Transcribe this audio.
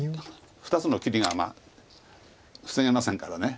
２つの切りが防げませんから。